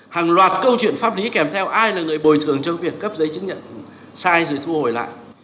hàng loạt câu chuyện pháp lý kèm theo ai là người bồi thường trong việc cấp giấy chứng nhận sai rồi thu hồi lại